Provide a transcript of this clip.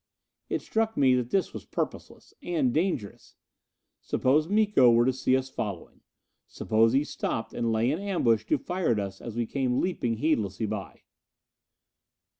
It struck me that this was purposeless and dangerous. Suppose Miko were to see us following? Suppose he stopped and lay in ambush to fire at us as we came leaping heedlessly by?